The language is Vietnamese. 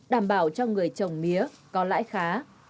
đảm bảo cho người trồng mía có lãi khá